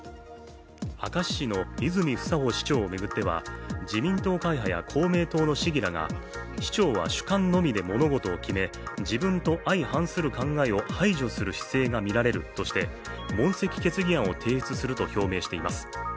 明石市の泉房穂市長を巡っては、自民党会派や公明党の市議らが市長は主観のみで物事を決め、自分と相反する考えを排除する姿勢がみられるとして、問責決議案を提出すると表明しています。